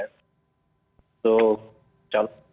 itu menurut saya